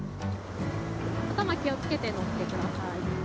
頭気をつけて乗ってください。